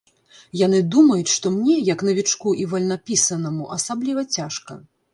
Яны думаюць, што мне, як навічку і вальнапісанаму, асабліва цяжка.